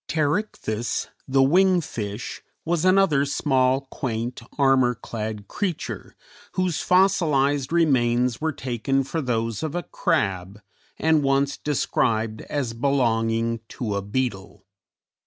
] Pterichthys, the wing fish, was another small, quaint, armor clad creature, whose fossilized remains were taken for those of a crab, and once described as belonging to a beetle.